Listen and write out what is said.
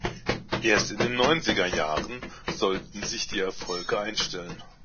Erst in den Neunziger Jahren sollten sich die Erfolge einstellen.